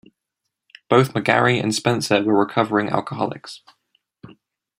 Both McGarry and Spencer were recovering alcoholics.